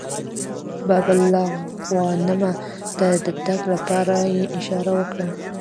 باب الغوانمه ته د تګ لپاره یې اشاره وکړه.